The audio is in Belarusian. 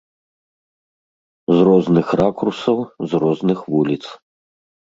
З розных ракурсаў, з розных вуліц.